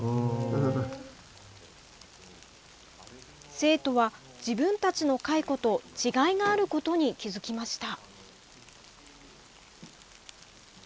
生徒は、自分たちの蚕と違いがあることに気づきました。